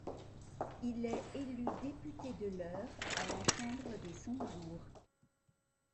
Il est élu député de l'Eure à la chambre des Cent-Jours.